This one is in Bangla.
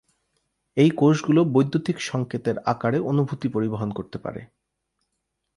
এই কোষগুলো বৈদ্যুতিক সংকেতের আকারে অনুভূতি পরিবহন করতে পারে।